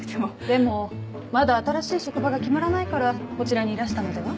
でもまだ新しい職場が決まらないからこちらにいらしたのでは？